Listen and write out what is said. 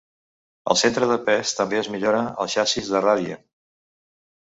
El centre de pes també es millora al xassís de Radien.